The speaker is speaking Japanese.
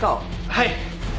はい。